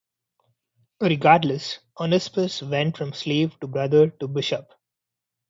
Regardless, Onesimus went from slave to brother to Bishop.